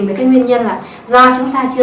được cái nguyên nhân là do chúng ta chưa